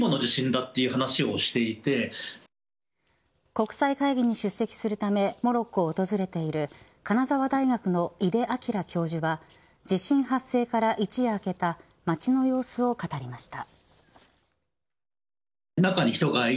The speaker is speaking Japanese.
国際会議に出席するためモロッコを訪れている金沢大学の井手明教授は地震発生から一夜明けた街の様子を語りました。